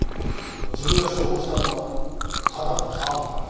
自分が処方したのはただのハーブだと。